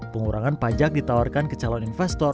pengurangan pajak ditawarkan ke calon investor